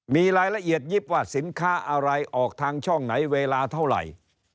มีรายละเอียดยิบว่าสินค้าอะไรออกทางช่องไหนเวลาเท่าไหร่